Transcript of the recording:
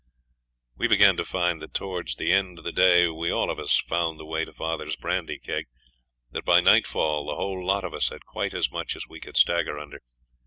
We began to find that towards the end of the day we all of us found the way to father's brandy keg that by nightfall the whole lot of us had quite as much as we could stagger under.